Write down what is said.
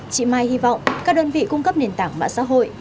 chị mai hy vọng các đơn vị cung cấp nền tảng mạng xã hội